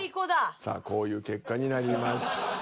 さあこういう結果になりました。